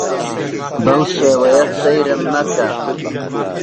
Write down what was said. بەو شێوەیە سەیرم مەکە.